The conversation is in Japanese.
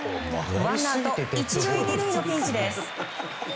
ワンアウト１塁２塁のピンチです。